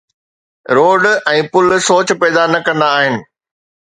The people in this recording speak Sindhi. روڊ ۽ پل سوچ پيدا نه ڪندا آهن.